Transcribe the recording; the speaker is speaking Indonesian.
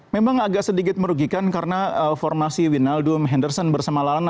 memang agak sedikit merugikan karena formasi winaldum henderson bersama lalana